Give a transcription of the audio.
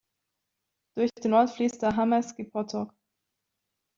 Durch den Ort fließt der Hamerský potok.